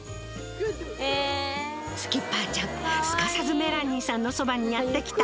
スキッパーちゃんすかさずメラニーさんのそばにやって来た。